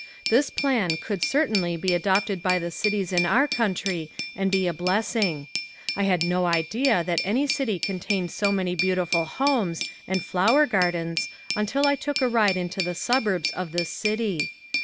This plan could certainly be adopted by the cities in our country and be a blessing. I had no idea that any city contained so many beautiful homes and flower gardens until I took a ride into the suburbs of this city.